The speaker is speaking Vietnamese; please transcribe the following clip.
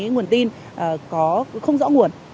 nguồn tin có không rõ nguồn